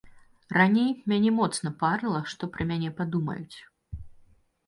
Раней мяне моцна парыла, што пра мяне падумаюць.